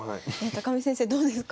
見先生どうですか？